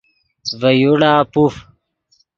ڤے یوڑا پوف